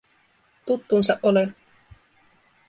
Tuttunsa olen.